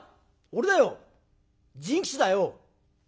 「俺だよ甚吉だよ」。